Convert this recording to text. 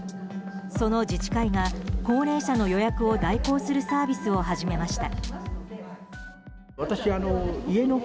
その自治会が高齢者の予約を代行するサービスを始めました。